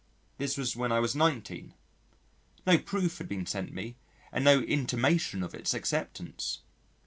This was when I was 19. No proof had been sent me and no intimation of its acceptance.